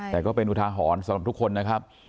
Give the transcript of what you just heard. แต่ก็เป็นอุทาหรณ์สำหรับทุกคนนะครับ